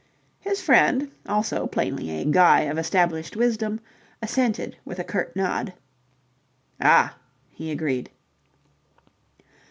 His friend, also plainly a guy of established wisdom, assented with a curt nod. "Ah!" he agreed.